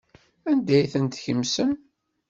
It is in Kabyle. Anda ay tent-tkemsem?